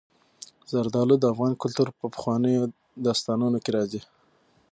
زردالو د افغان کلتور په پخوانیو داستانونو کې راځي.